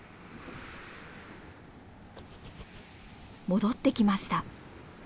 戻ってきました。